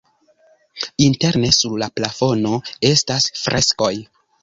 Interne sur la plafono estas freskoj.